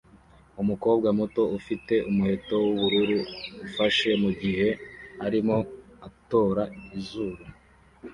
Umukobwa muto ufite umuheto wubururu ufashe mugihe arimo atora izuru